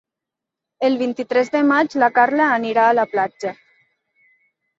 El vint-i-tres de maig na Carla anirà a la platja.